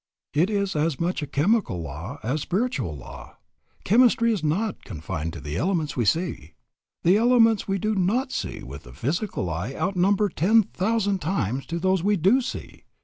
It is as much a chemical law as a spiritual law. Chemistry is not confined to the elements we see. The elements we do not see with the physical eye outnumber ten thousand times those we do see.